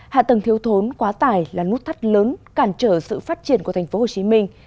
hạ tầng thiếu thốn quá tải là nút thắt lớn cản trở sự phát triển của tp hcm